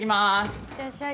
いってらっしゃい。